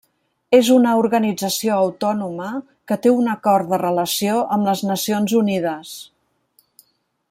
És una organització autònoma que té un acord de relació amb les Nacions Unides.